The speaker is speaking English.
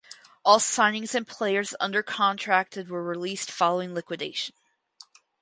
All signings and players under contracted were released following liquidation.